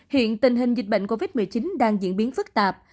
hình hình dịch bệnh covid một mươi chín đang diễn biến phức tạp